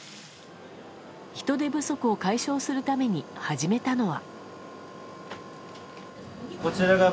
人手不足を解消するために始めたのは。